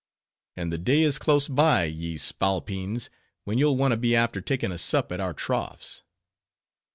—and the day is close by, ye spalpeens, when you'll want to be after taking a sup at our troughs!"